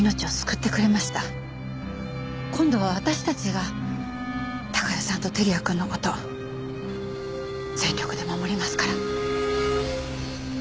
今度は私たちが貴代さんと輝也くんの事全力で守りますから。